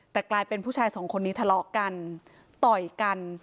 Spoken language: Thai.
แต่กลายเป็นผู้ชายสองคนนี้ทะเลาะกันต่อยกัน